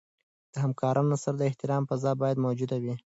د همکارانو سره د احترام فضا باید موجوده وي.